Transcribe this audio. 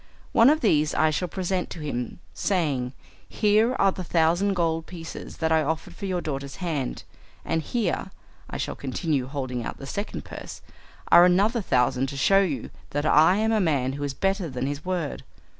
One of these I shall present to him saying, "Here are the thousand gold pieces that I offered for your daughter's hand, and here," I shall continue, holding out the second purse, "are another thousand to show you that I am a man who is better than his word."